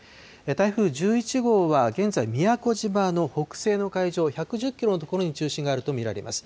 台風１１号は現在、宮古島の北上の海上１１０キロの所に中心があると見られます。